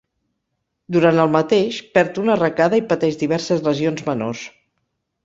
Durant el mateix, perd una arracada i pateix diverses lesions menors.